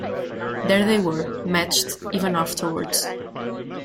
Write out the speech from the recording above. There they were, matched, ever afterwards!